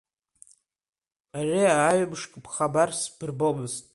Ари аҩымшк бхабар сбырбомызт…